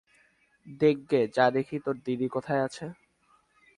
দেখগে যা দেখি তোর দিদি কোথায আছে!